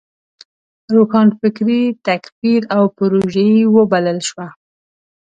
روښانفکري تکفیر او پروژيي وبلل شوه.